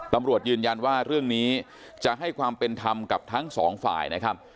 ตำรวจยืนยันว่าเรื่องนี้จะให้ความเป็นธรรมกับทั้งสองฝ่ายนะครับ